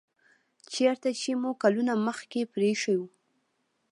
چیرته چې مو کلونه مخکې پریښی و